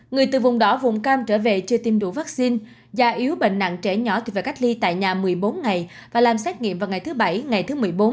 người từ vùng đỏ vùng cam trở về chưa tiêm đủ vaccine da yếu bệnh nặng trẻ nhỏ thì phải cách ly tại nhà một mươi bốn ngày và làm xét nghiệm vào ngày thứ bảy ngày thứ một mươi bốn